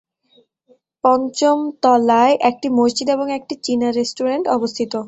পঞ্চম তলায় একটি মসজিদ এবং একটি চীনা রেস্টুরেন্ট অবস্থিত।